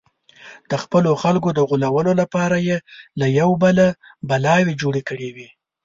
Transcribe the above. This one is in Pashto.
د خپلو خلکو د غولولو لپاره یې له یوه بله بلاوې جوړې کړې وې.